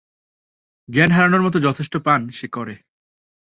জ্ঞান হারানোর মত যথেষ্ট পান সে করে।